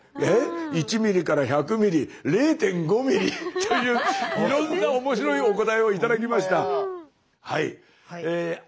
１ミリから１００ミリ０．５ミリといういろんな面白いお答えを頂きました。